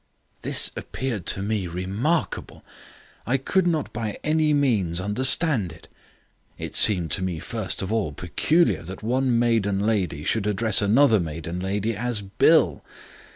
"This appeared to me remarkable. I could not by any means understand it. It seemed to me first of all peculiar that one maiden lady should address another maiden lady as 'Bill'.